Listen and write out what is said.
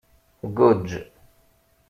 Tguǧǧ.